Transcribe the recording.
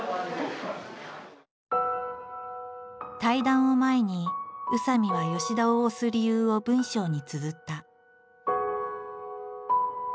対談を前に宇佐見は吉田を推す理由を文章につづった。